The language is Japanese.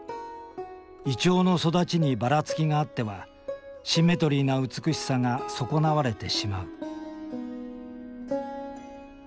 銀杏の育ちにばらつきがあってはシンメトリーな美しさが損なわれてしまう。